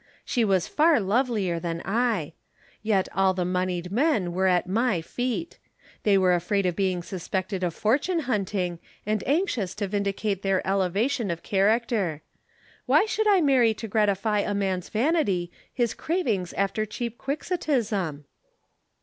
She was far lovelier than I. Yet all the moneyed men were at my feet. They were afraid of being suspected of fortune hunting and anxious to vindicate their elevation of character. Why should I marry to gratify a man's vanity, his cravings after cheap quixotism?"